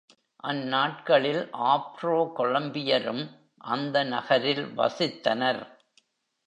அந்நாட்களில் ஆப்ரோ கொலம்பியரும் அந்த நகரில் வசித்தனர்.